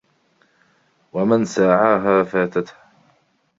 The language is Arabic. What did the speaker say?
وَمَنْ سَاعَاهَا فَاتَتْهُ